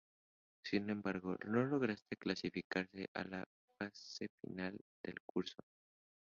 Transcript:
Sin embargo, no lograrse clasificarse a la fase final del concurso.